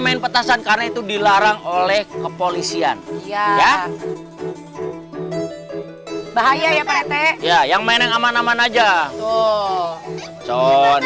main petasan karena itu dilarang oleh kepolisian ya bahaya ya pak ya yang main yang aman aman aja tuh con